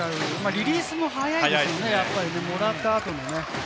リリースも早いんですよね、もらった後のね。